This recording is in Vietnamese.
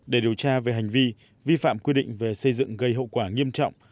để điều tra về hành vi vi phạm quy định về xây dựng gây hậu quả nghiêm trọng